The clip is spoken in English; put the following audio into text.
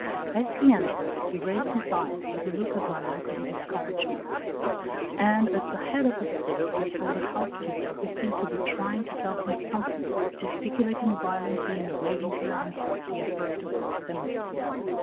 As he entered, he raised his eyes with a look of melancholy discouragement, and at the head of the stairs he saw the housekeeper, who seemed to be trying to tell him something, gesticulating violently and waving her arms like the apparatus of a semaphore.